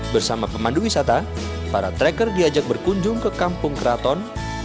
bersama pemandu wisata para tracker diajak berkunjung ke kampung keraton